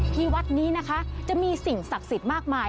ที่วัดนี้นะคะจะมีสิ่งศักดิ์สิทธิ์มากมาย